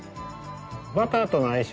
バターとの相性